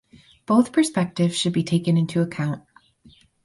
Both perspectives should be taken into account.